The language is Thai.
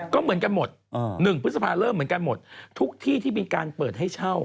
ก็เหมือนกันหมด๑พฤษภาเริ่มเหมือนกันหมดทุกที่ที่มีการเปิดให้เช่า